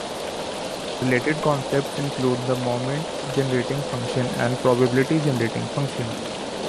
Related concepts include the moment-generating function and the probability-generating function.